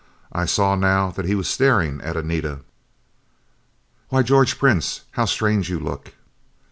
I saw now that he was staring at Anita! "Why, George Prince! How strange you look!"